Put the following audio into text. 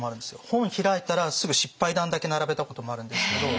本開いたらすぐ失敗談だけ並べたこともあるんですけど。